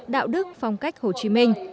đạo đức phong cách hồ chí minh